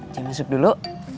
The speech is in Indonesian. cuy masuk dulu